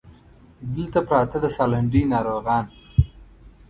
دلته پراته د سالنډۍ ناروغان